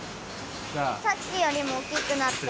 さっきよりもおおきくなってる。